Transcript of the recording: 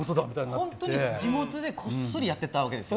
本当に地元でこっそりやってたわけですから。